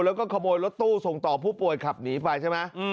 แล้วก็ขโมยรถตู้ส่งต่อผู้ป่วยขับหนีไปใช่ไหม